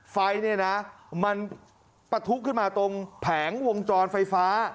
ไฟเนี่ยนะมันปะทุขึ้นมาตรงแผงวงจรไฟฟ้า